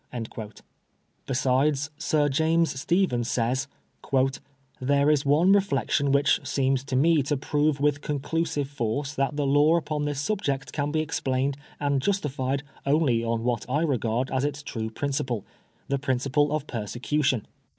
'* Besides, Sir James Stephen says, "There is one reflection which seems to me to prove with conclusive force that the law upon this subject can be explained and justified only on what 1 regard as its true principle — the principle of persecution.